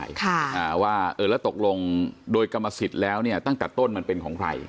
แล้วตกลงโดยกรรมสิทธิ์แล้วเนี่ยตั้งแต่ต้นมันเป็นของใคร